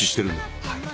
はい。